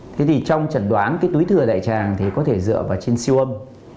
thế thì trong trần đoán cái túi thừa đại tràng thì có thể dựa vào trên siêu âm